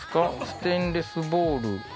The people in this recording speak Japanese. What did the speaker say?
ステンレスボウル。